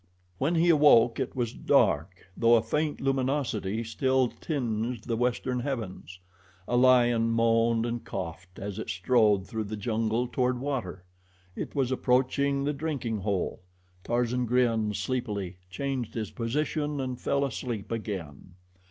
When he awoke it was dark, though a faint luminosity still tinged the western heavens. A lion moaned and coughed as it strode through the jungle toward water. It was approaching the drinking hole. Tarzan grinned sleepily, changed his position and fell asleep again.